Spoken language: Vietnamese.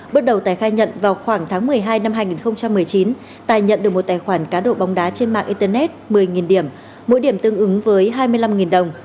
bước đầu tài khai nhận vào khoảng tháng một mươi hai năm hai nghìn một mươi chín tài nhận được một tài khoản cá độ bóng đá trên mạng internet một mươi điểm mỗi điểm tương ứng với hai mươi năm đồng